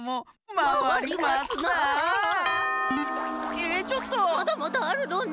まだまだあるのに。